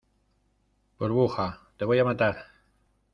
burbuja, te voy a matar.